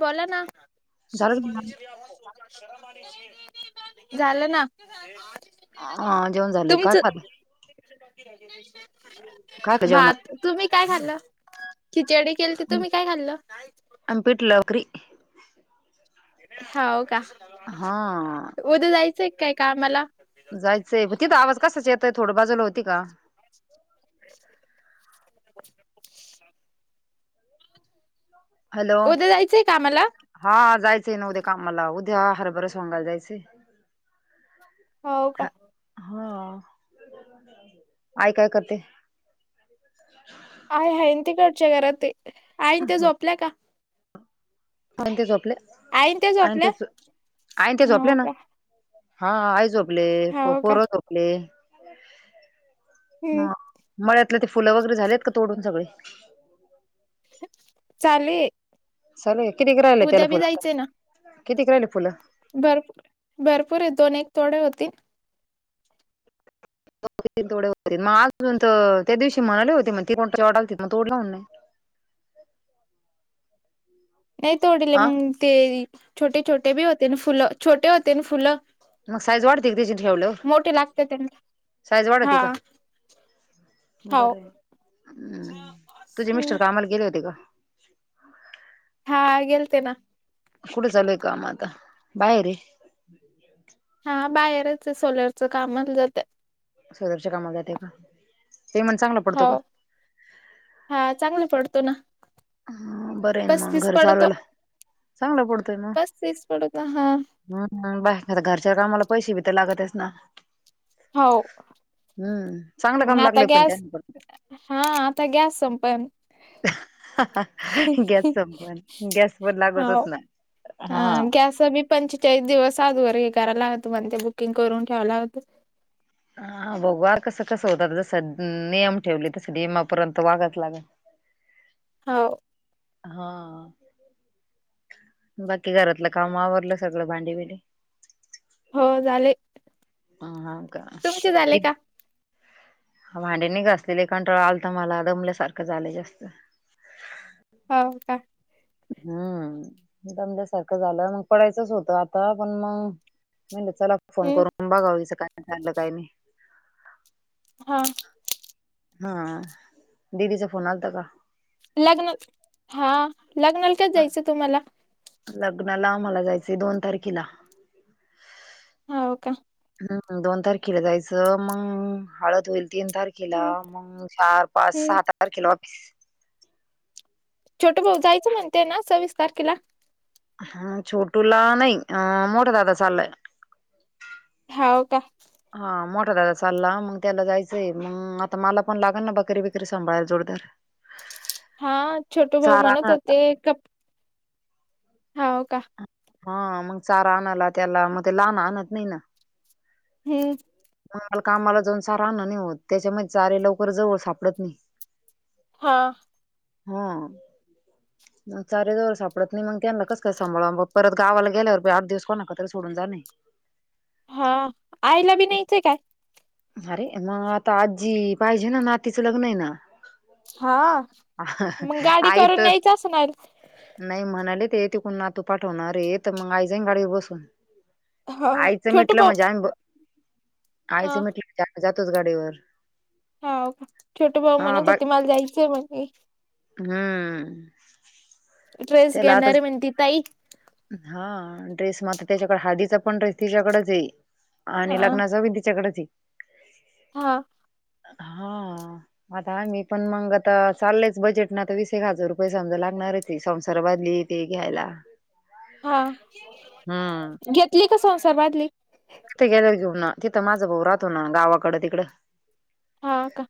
बोला ना. झालं का जेवण? झालं ना. हा जेवण झालंय. काय तुमच खाल्लं? काय खाल्लं जेवणात? भात. तुम्ही काय खाल्ल? खिचडी केलती. तर आम्ही तुम्ही काय खाल्ल? आम्ही पीठल भाकरी. हाव का. हा. उद्या जायचंय काय कामाला? जायचंय. तिथं आवाज कशाचा येतय. थोडं बाजूला होती का. [inaudible] हॅलो. उद्या जायचंय कामाला? हा जायचंय ना उद्या कामाला. उद्या हरभरं सोंगायला जायचंय. हो हा. का. हा आई काय करते? [unintelligible] आहे हाइन तीकडच्या घरात ते. आईन त्या झोपल्या का? आई ते झोपल्या. त्या आईन ते. झोपल्या? आईन ते झोपले हो ना. का हा आई झोपले. हो का पोर झोपले. हम्म ह मळ्यातलं ते फुलं वगैरे झालेत का तोडून सगळे? चालू ये. चालू आहे. किती क राहिल आत त्याला फुल किती क राहिल फुलं? भरपू भरपूर दोन, एक थोडे होतील. दो तीन थोडे होते. मग अजून तर त्या दिवशी म्हणाले होते मग ती कोण तर तोडालतीत मग कोण तोडल का नाही? नाही तोडील हा मग ते छोटे छोटे बी होते ना फुलं. छोटे होते ना फुलं. मग साईज वाढते. की त्याची ठेवल्यावर मोठे लागते त्यांना साईज वाढते हा का? हो बरय हम्म. तुझे मिस्टर कामाला गेले होते का? हा गेलते ना. कुठ चालू आहे काम आता? बाहेर आहे. हा बाहेरच सोलरच काम मग जातं. सोलरच्या कामा जाते का? पेमट चांगलं हो. हा चांगल पडतो ना. ह बरं मग. पस्तीस घर पडतो चालवायला चांगलं पडतोय मग. पस्तीस पडतो हा हम् बाया घरच्या कामाला पैसे भी तर लागतस ना. हो. हम्म. चांगलं मग काम आता लागलय पण त्याच. गॅस हा आता गॅस संपण. गॅस संपण. गॅस पण लागतच ना. ह हा गॅस बी पंचेचाळीस दिवस आज वर हे करायला लागत म्हणते बुकिंग करून ठेवाव लागत. हा बघू आ कसं कसं होत. जस नियम ठेवले तस नियमापर्यंत वागावच लागल. हो. हा बाकी घरातलं काम आवरलं सगळं भांडीबिडी. हो झाले. ह हाव का. कसे झाले का? भांडे नाही घासलेले कंटाळा आलत मला दमल्यासारखं झालं जास्त. होव का हम्म, दमल्यासारखं झालं मंग पडायचच होतं आता पण मंग म्हणलं चला फोन हम्म करून बघाव, हीच काय झालं काय नाही. हा हा, दिदी चा फोन आलता का? लग्न, हा लग्नाला कधी जायचं तुम्हाला? लग्नाला मला जायचंय, दोन तारखेला होव का? हम्म, दोन तारखेला जायचं, मंग हळद होईल तीन तारीख खेला हम्म मंग चार, पाच, हम्म सहा तारखेला ऑफिस. छोट भाऊ जायचं म्हणते ना सव्वीस तारखेला? हा छोटूला नाही, अ मोठा दादा चाललाय. होव का हा मोठा दादा चालला मग त्याला जायचंय मंग आता मला पण लागेल ना, बकरी-बिकरी सांभाळायला जोडीदार हा छोटू भाऊ चारा म्हणत आणायला होते का होव का, हा मंग चारा आणायला त्याला, मग ते लहान आणत नाही ना. हम्म मंग मला कामाला जाऊन चारा आणण नाही होत, त्याच्यामध्ये चारे लवकर जवळ सापडत नाही. हा हा हा, मग चारे जवळ सापडत नयी, मंग त्यांना कस काय सांभाळन बा. परत गावाला गेल्यावर बयी आठ दिवस कोणाकड तरी सोडून जाण हे. हा, आईला बी न्यायच काय? अरे, मग आता आजी पाहिजे ना, नातीचं लग्न ये ना. हा, मंग गाडी आई करून तर न्यायच असणार? नाही म्हणाले ते, तिकून नातू पाठवणार रे, तर मंग आई जाईन गाडीवर बसून. हा आईचं छोटू मिटलं भाऊ म्हणजे आम्ही ब, हा आईचं मिटलं म्हणजे आम्ही जातोच गाडीवर. हाउ का, छोटू भाऊ हा म्हणत बा होते मला जायच आहे म्हणे. हम्म ट्रेस त्याला आता घेणारे म्हणे ती ताई. हा ड्रेस म आता त्याच्याकड, हाळदीचा पण ड्रेस तिच्याकडेच ये हा आणि लग्नाचा बी तिच्याकडच ये. हा हा आता आम्ही पण मंग आता चाललयचं बजेट ना तर वीस एक हजार रुपये समजा लागणारच ये संसार बादलीत ते घ्यायला हा, हम्म घेतली का संसार बादली? तिथं गेल्यावर घेऊन ना, तिथं माझा भाऊ राहतो ना गावाकडं तिकडं. हा का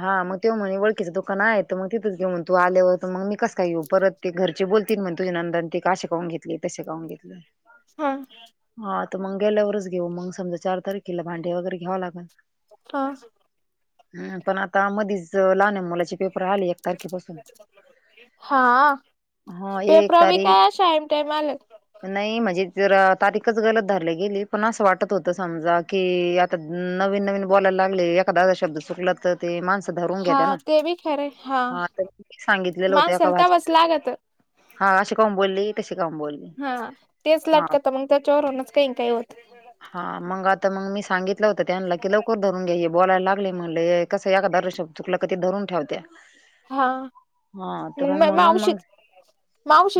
हा मग त्यो म्हणे, वळखीचं दुकान आहे तर मंग तिथंच घेउ म्हण तू आल्यावर, तर मंग मी कस काय येऊ परत. ते घरचे बोलतील म्हण तुझ्या नंदा न ते का असे कावून घेतले, तसे कावून घेतले. हा हा तर मग गेल्यावरच घेऊ मंग समजा, चार तारखेला भांडे वगैरे घ्याव लागन. हा हम पण आता मधीच लहान मुलानची पेपर आलीत. हा हा एक पेपरा बी तारीख काय अशी ऐन टाईम आलेत. नाही म्हणजे जरा तारीखच गलत धरली गेली. पण असं वाटत होतं समजा की आता नवीन नवीन बोलायला लागले एखादा शब्द चुकला तर ते माणस धरून घेत हा ना ते बी खरंय हा तर सांगितलेलं होत का माणसाला तवाच भाजला लागत हा अशी का बोलली तशी काऊन बोलली. हा तेच हा लाटकात मग त्याच्यावरच काही काही होत. हा मग आता मग मी सांगितलं होत त्यांना की लवकर धरून घ्याईे बोलायला. म्हणले कसं या हिशोब चुकलं की कशी धरून ठेवत्या. हा हा मग तर म म्हणून मावशी मग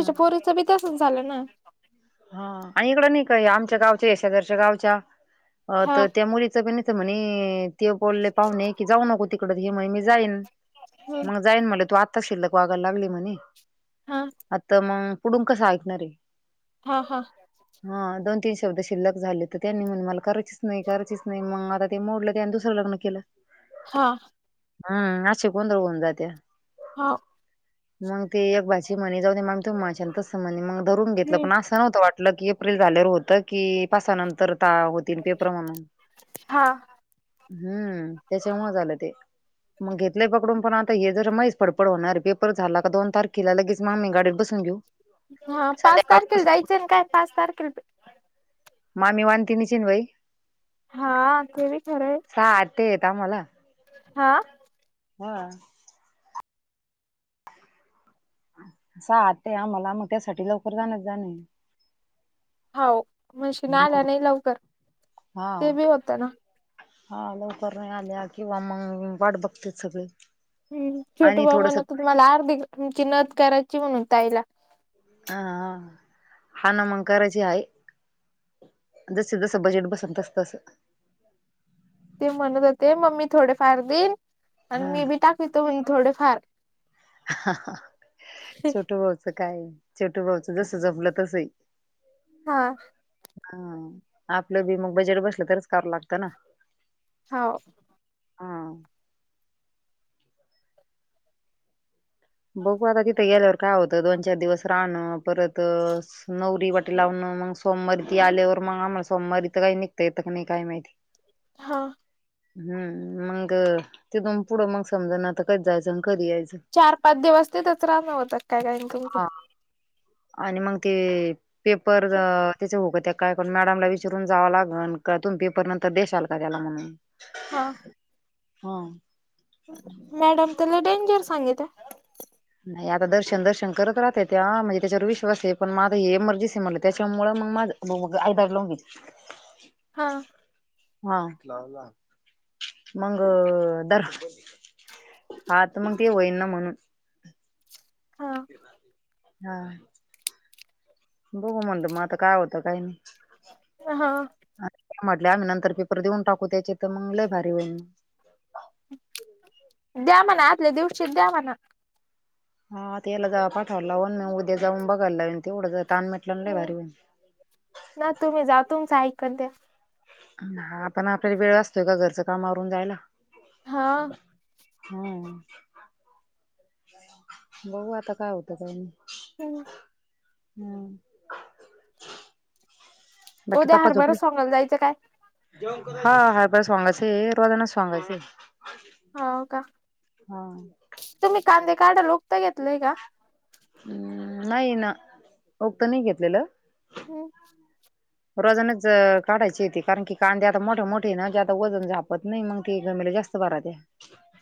हा पोरीचं बी तसच झालं ना. हा आणि इकडं नाही का आमच्या गावच्या शेजारच्या गावच्या हा तर त्या मुलीच पण म्हणे ते बोलले पाहुणे की जाऊ नको तिकड हे म्हणे मी जाईन हम्म मग जाईन मला तू आता शिल्लक वागायला लागली म्हणे हा आता मग पुढून कसं ऐकणार आहे. हा हा. हा दोन तीन शब्द शिल्लक झाले तर त्यांनी म्हण मला करायचीच नाही करायच नाही मग आता ते मोडलं अन् त्यान दुसरं लग्न केलं. हा. हम्म अशी गोंधळ हो न जात्या. हा. मग ते एक भाची म्हणे जाऊ मामी त माझ तसं म्हणे मग धरून घेतलं. हम्म पण असं नव्हतं वाटलं की एप्रिल झाल्यावर होतं की पासानंतर ता तीन पेपर म्हणून हा हम्म त्याचमुळ झालं ते मग घेतल्य पकडून पण आता हे जर महीच फडपड होणारे झाला का दोन तारखेला लगेच म मा्मी गाडीत बसून घेऊ. हा पाच संध्याकाळ तारखेल जायचं ना काय पाच तारखेल मामी वनतीिनीचीिन भाई हा ते बी खरं हाय. सा ते येत आ म्हाला [unintelligible] हा. हा. सहा ते आम्हाला मग त्यासाठी लवकर जाणच जाणे. होव म्हशीन हम्म आल्या नाही लवकर हा ते बी होतं ना. हा लवकर नाही आल्या किंवा मग वाट बघते सगळे. हम्म छोटू आणि थोडस बाबाना अ म्हणत मला अर्धी नमकी नथ करायची म्हणून ताईला. ह हा ना मंग करायची आहे. जस जसं बजेट बस तसतसं. ते म्हणत होते मम्मी थोडेफार देईन हा आणि मी बी टाकीतो म्हने थोडेफार. हा हा छोटु भाऊच काय आहे छोटू भाऊच जस जमलं तसं आहे. हा. हा आपलं बी मग बजेट बसलं तरच करावं लागतं ना. होव. हा बघू आता तिथं गेल्यावर काय होतं दोन चार दिवस राहनं परत नवरी वाटी लावून मग सोमवारी ती आल्यावर मग आम्हाला सोमवारी तर काही निघता येतं की नाही काय माहित. हा. हम्म मग तिथून पुढं मग समज न आता कधी जायचं आणि कधी यायचं. चार पाच दिवस तीथच रहाण होत का काय हा. [unintelligible] आणि मग ते पेपर त्याच होऊ [unintelligible] काय करून मॅडमला विचरून जाव लागल का तुम्ही पेपर नंतर देशाल का त्याला म्हणून? हां. हां. मॅडम तर डेंजर सांगित्या नाही आता दर्शन दर्शन करत राहते त्या म्हणजे त्याच्यावर विश्वास आहे पण मग आता हे इमर्जन्सी मला त्याच्यामुळ मग माझ लो आयदाग लवंगी. हां. हा मंग दर हां त मग ते होईन ना म्हणून हा हां बघू म्हणल मग आता काय होत काही नाही. हां. आणि त्या म्हटल्या आम्ही नंतर पेपर देऊन टाकू त्याचे तर मग लय भारी होईल. द्या म्हणा आदल्या दिवशीच द्या म्हणा. हा आता याला जाव पाठवाव लागन उद्या जाऊन बघायला लागल तेवढ जर ताण मी ना तुम्ही जा तुमच ऐकन ते. ह आपण आपल्याला वेळ असतोय का घरच काम आवरून जायला. हा हां बघू आता काय होत का नाही. हम्म हम्म, उद्या हरभरा सोंगायला जायच काय? हां हरभरा सोंगायचय हे रोजानच सोंगायचय. हो का तुम्ही कांदे काढायला गुत्त घेतलय का? हम्म नाही ना गुत्त नाही घेतलेल. रोजानाच काढायचे ते कारण की कांदे आता मोठे मोठे आहेत ना जे आता वजन झाल. होत नाही मंग ते घमेले जास्त भरात्या.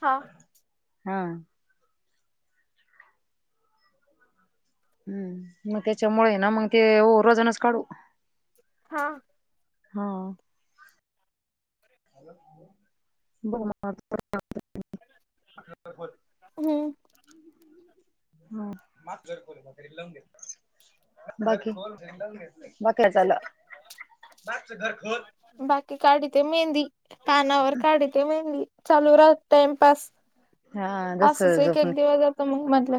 हां हां, हम्म मग त्याच्यामुळय ना मग ते हो रोजानच काढू. हां हां [unintelligible] परत हो हां बाकी भाकऱ्या चाल बाकी काढीते मेहंदी पानावर काढ ते मेहंदी चालू राहत टाईमपास हा जस असच एक एक दिवस. तुम्ही म्हंटल.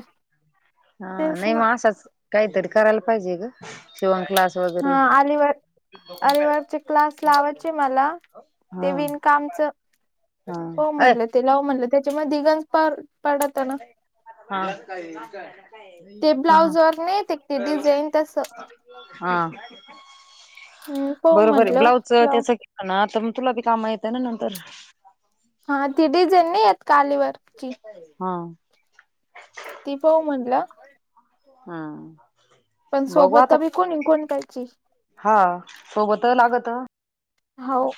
हां नाही मग असच काहीतरी करायला पाहिजे ग शिवण क्लास वगैरे. आरे वर्कचे क्लास लावायचे मला ते विणकामच. हां ते लावू म्हणल त्याच्या मध्ये डिझाईन फार पडत ना. हां ते हां ब्लाउज वर नाही येत ते डिझाईन तसं हां.. हम्म पाहू बरोबर आहे म्हटलं ब्लाउजच लाव त्याच केलं ना तर म तुला बी काम येत ना नंतर. हा ती डिझाईन नाही येत कालीवर. हम. ती पाऊ म्हणल. हा. पण बघू सोबत आता बी कोणीन कोणी पाहिजे. हा सोबत लागत. हा ओ.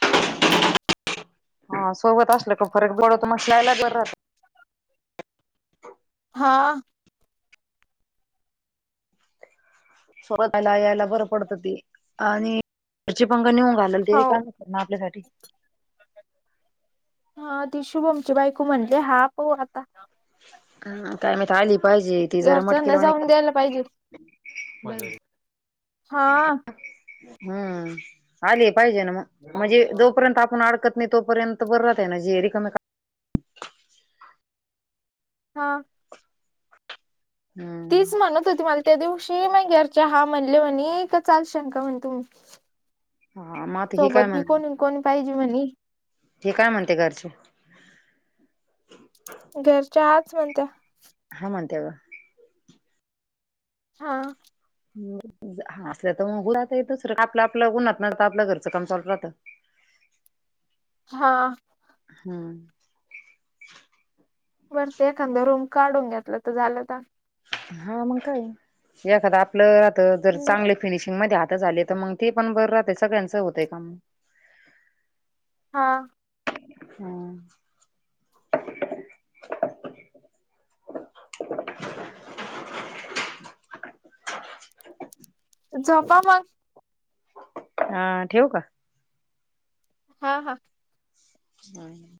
हा सोबत असल का फरक पड--वतो मग ला. [unintelligible] हा. सोबत यला यायला बरं पडतं ती आणि रची पंघ नेऊन घालाल तरी हो का. ना आपल्यासाठी. हम ती शुभमची बायको म्हणले हा पोरा. ह काय माहित आली पाहिजे ती जरा मटकी घरच्यांना लावू. जाऊन द्यायला पाहिजे [unintelligible] हां. हम्म. आली पाहिजे ना मग म्हणजे जोपर्यंत आपण अडकत नाही तोपर्यंत बर राहतय ना जे रिकाम. हा. हम्म तीच म्हणत होती मला त्या दिवशी मग [unintelligible] हा म्हणले म्हणे का चाल शंका म्हण तुम्ह. हा मग आता हे काय सोबत बी म्हण कोणी कोणी पाहिजे म्हणे, हे काय म्हणते घरचे. घरच्या आज म्हणत्या. हा म्हणते का. हा. हम. हा असल्या तर मग उ राता [unintelligible] [unintelligible] आपलं आपलं उन्हात [unintelligible] घरचं काम चालू राहतं. [unintelligible] हा. हम्म. बरं ते एखांद रूम काढून घेतलं तर झालं आता. हम मग काय एखादा आपलं आता जर चांगले. फिनिशिंग मध्ये आता झालेत मग ते पण बरं राहते सगळ्यांचं होतय काम. हा. हम्. [unintelligible] झोपा मग. हम ठेवू का. हा हम. हम्.